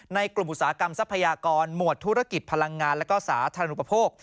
กลุ่มอุตสาหกรรมทรัพยากรหมวดธุรกิจพลังงานและก็สาธารณูปโภค